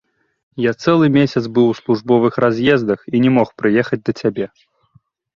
Я цэлы месяц быў у службовых раз'ездах і не мог прыехаць да цябе.